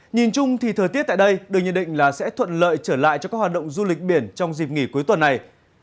nhìn chung thì thời tiết tại đây được nhận định là sẽ thuận lợi trở lại cho các hoạt động du lịch biển trong dịp nghỉ cuối tuần này